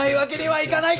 はい！